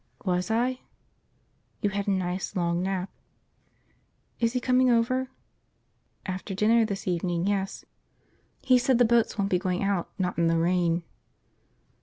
"Was I?" "You had a nice long nap." "Is he coming over?" "After dinner this evening, yes. He said the boats won't be going out, not in the rain."